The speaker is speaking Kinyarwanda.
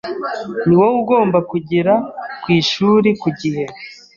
Ni wowe ugomba kugera ku ishuri ku gihe.